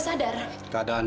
siapa yang kalah